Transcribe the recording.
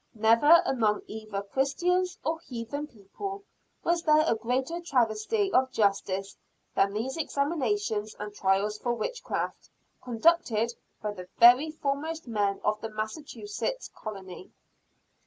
Never, among either Christian or heathen people, was there a greater travesty of justice than these examinations and trials for witchcraft, conducted by the very foremost men of the Massachusetts colony.